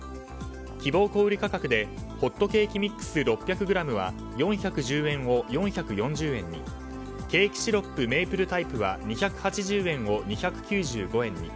希望小売価格でホットケーキミックス６００ｇは４１０円を４４０円にケーキシロップメープルタイプは２８０円を２９５円に。